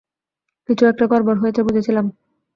কিছু একটা গড়বড় হয়েছে বুঝেছিলাম!